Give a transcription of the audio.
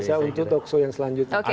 bisa untuk talkshow yang selanjutnya